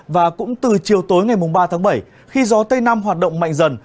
và cũng từ chiều tối ngày ba tháng bảy khi gió tây nam hoạt động mạnh dần